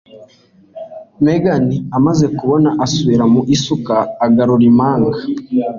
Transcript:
Megan amaze kumubona, asubira mu isuka agarura impanga.